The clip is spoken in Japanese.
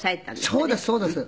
そうですそうです。